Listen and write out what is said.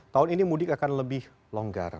tahun ini mudik akan lebih longgar